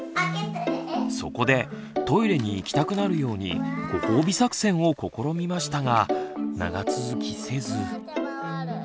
そこでトイレに行きたくなるように「ご褒美作戦」を試みましたが長続きせず。